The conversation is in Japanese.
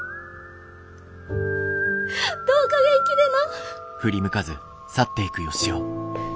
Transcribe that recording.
どうか元気でな。